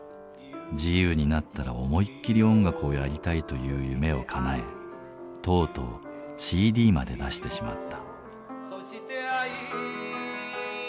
自由になったら思いっきり音楽をやりたいという夢をかなえとうとうＣＤまで出してしまった。